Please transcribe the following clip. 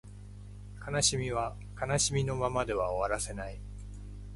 悲しみは悲しみのままでは終わらせない